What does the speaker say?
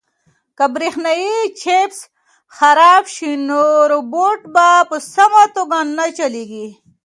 که برېښنايي چپس خراب شي نو روبوټ په سمه توګه نه چلیږي.